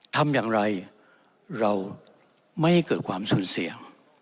ทำอย่างไรเราไม่ให้เกิดความสูญเสีย